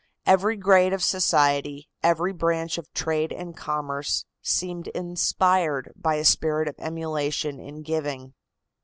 Every grade of society, every branch of trade and commerce seemed inspired by a spirit of emulation in giving.